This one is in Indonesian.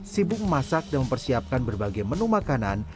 sibuk memasak dan mempersiapkan berbagai menu makanan